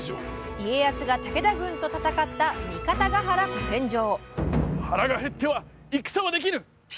家康が武田軍と戦った三方ヶ原古戦場。